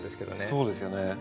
そうですよね。